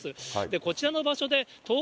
こちらの場所で１０日